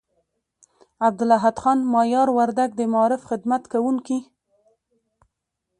عبدالاحد خان مایار وردگ، د معارف خدمت کوونکي